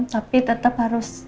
tapi tetap harus